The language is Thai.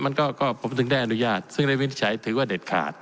มันก็ผมถึงได้อนุญาตซึ่งได้วินิจฉัยถือว่าเด็ดขาด